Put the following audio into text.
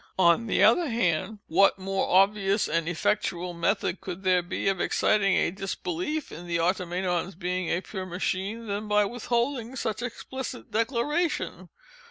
On the other hand, what more obvious and effectual method could there be of exciting a disbelief in the Automaton's being a pure machine, than by withholding such explicit declaration?